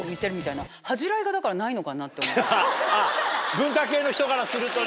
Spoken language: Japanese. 文化系の人からするとね。